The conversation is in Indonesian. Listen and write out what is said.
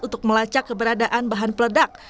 untuk melacak keberadaan bahan peledak